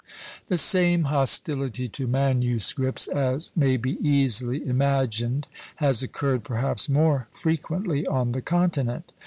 The same hostility to manuscripts, as may be easily imagined, has occurred, perhaps more frequently, on the continent.